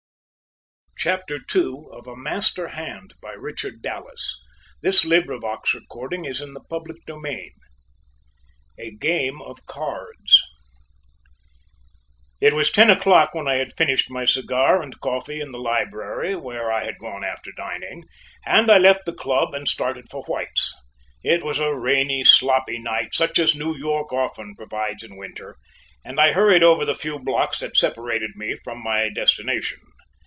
I had known how long it was to be before I should again dine with a mind so free from care. CHAPTER II A GAME OF CARDS It was ten o'clock when I had finished my cigar and coffee in the library where I had gone after dining and I left the club and started for White's. It was a rainy, sloppy night, such as New York often provides in winter, and I hurried over the few blocks that separated me from my destination.